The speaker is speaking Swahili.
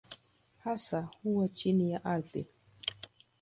Hasa huwa chini ya ardhi.